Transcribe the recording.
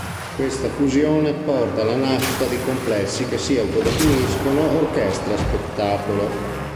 Questa fusione porta alla nascita di complessi che si autodefiniscono orchestra spettacolo.